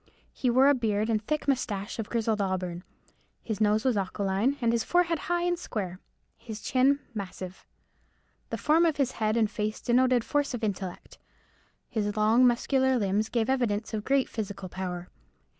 He wore a beard and thick moustache of grizzled auburn. His nose was aquiline, his forehead high and square, his chin massive. The form of his head and face denoted force of intellect. His long, muscular limbs gave evidence of great physical power.